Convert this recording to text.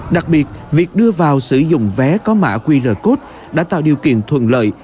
đặc biệt việc đưa vào sử dụng vé có mã qr code đã tạo điều kiện thuận lợi